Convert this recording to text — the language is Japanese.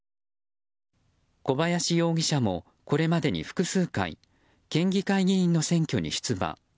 小林容疑者もこれまでに複数回県議会議員の選挙に出馬。